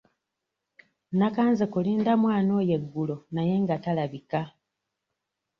Nakanze kulinda mwana oyo eggulo naye nga talabika.